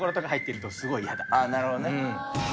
なるほどね。